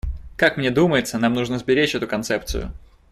Как мне думается, нам нужно сберечь эту концепцию.